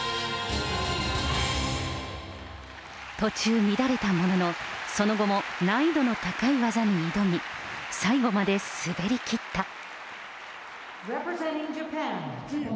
途中、乱れたものの、その後も難易度の高い技に挑み、最後まで滑りきった。